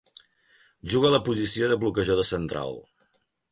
Juga a la posició de bloquejador central.